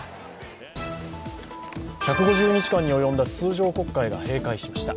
１５０日間に及んだ通常国会が閉会しました。